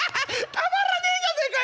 たまらねえじゃねえかよおい！